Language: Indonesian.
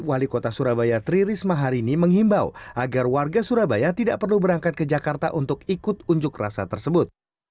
wali kota surabaya tri risma hari ini menghimbau agar warga surabaya tidak perlu berangkat ke jakarta untuk ikut unjuk rasa tersebut